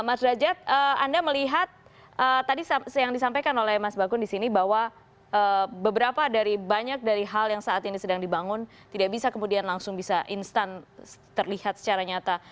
mas derajat anda melihat tadi yang disampaikan oleh mas bakun di sini bahwa beberapa dari banyak dari hal yang saat ini sedang dibangun tidak bisa kemudian langsung bisa instan terlihat secara nyata